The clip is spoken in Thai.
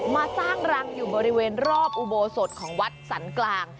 มาสร้างรังอยู่บริเวณรอบอุโบสถของวัดสรรกลาง